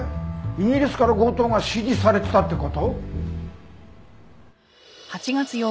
イギリスから強盗が指示されてたって事？